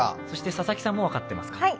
そして佐々木さんも分かっていますか。